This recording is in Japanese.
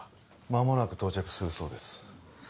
間もなく到着するそうです